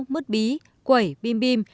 mứt bí quẩy bim bim